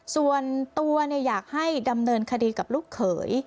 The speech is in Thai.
ส่วนตัวอยากให้ดำเนินคดีกับลูกเขย